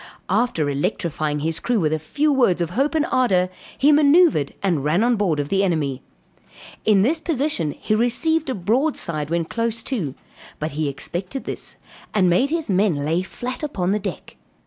After electrifying his crew with a few words of hope and ardor, he manoeuvred and ran on board of the enemy. In this position he received a broadside when close too; but he expected this, and made his men lay flat upon the deck.